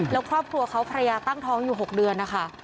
แล้วครอบครัวเขาภรรยาตั้งท้องอยู่๖เดือนนะคะ